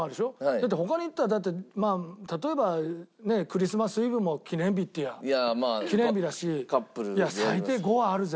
だって他に言ったら例えばねクリスマスイブも記念日っていえば記念日だし最低５はあるぜ。